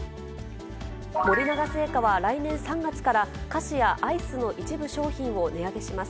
森永製菓は来年３月から、菓子やアイスの一部商品を値上げします。